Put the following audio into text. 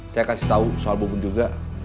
saya kasih tahu soal bubun juga